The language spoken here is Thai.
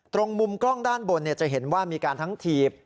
ตรงมุมกล้องด้านบนจะเห็นว่ามีการทั้งถีบ